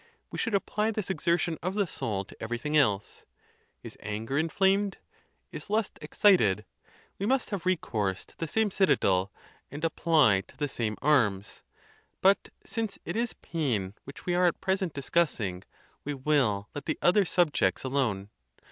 We should apply this exertion of the soul to everything else. Is anger in flamed? is lust excited? we must have recourse to the same citadel, and apply to the same arms. But since it is pain which we are at present discussing, we will let the other subjects alone.